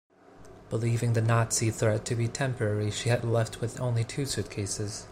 Believing the Nazi threat to be temporary she had left with only two suitcases.